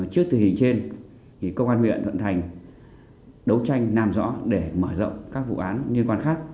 trước từ hình trên công an huyện thuận thành đấu tranh nam rõ để mở rộng các vụ án nhân quan khác